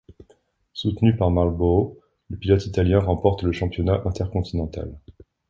Soutenu par Marlboro, le pilote italien remporte le championnat intercontinental.